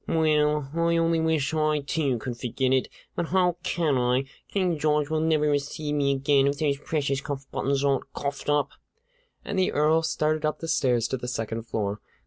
"Well, I only wish I, too, could forget it; but how can I? King George will never receive me again if those precious cuff buttons aren't coughed up." And the Earl started up the stairs to the second floor.